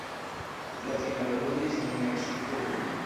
La finalo ludis en Meksikurbo.